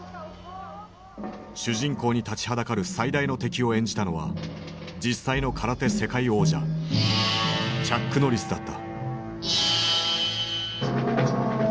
主人公に立ちはだかる最大の敵を演じたのは実際の空手世界王者チャック・ノリスだった。